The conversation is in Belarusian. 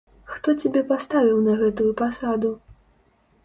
Хто цябе паставіў на гэтую пасаду?